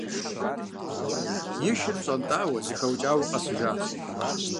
И шыр пщӀэнтӀауэ, зэхэукӀауэ къэсыжащ.